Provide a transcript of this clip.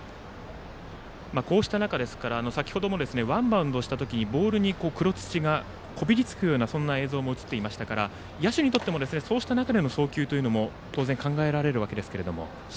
こうした中ですから先程もワンバウンドした時にボールに黒土がこびりつくようなそんな映像も映っていましたから野手にとってもそうした中での送球も当然考えられるわけですけれども。